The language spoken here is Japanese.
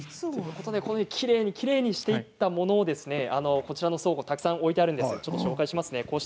きれいにきれいにしていったものをこちらの倉庫にたくさん置いてあるので紹介しますね。